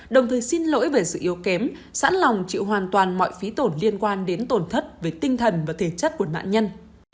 đồng thời xin lỗi về sự yếu kém sẵn lòng chịu hoàn toàn mọi phí tổn liên quan đến tổn thất về tinh thần và thể chất của nạn nhân